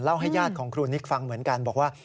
ให้ญาติของครูนิกฟังเหมือนกันบอกว่า